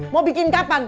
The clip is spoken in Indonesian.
mau bikin kapan